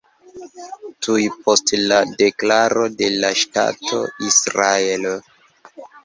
Tuj post la deklaro de la ŝtato Israelo.